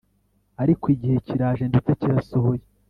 ” Ariko igihe kiraje ndetse kirasohoye